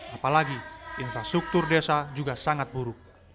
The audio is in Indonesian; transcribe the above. apalagi infrastruktur desa juga sangat buruk